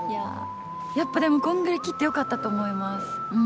やっぱでもこんぐらい切ってよかったと思います。